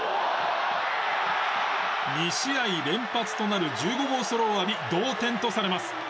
２試合連発となる１５号ソロを浴び同点とされます。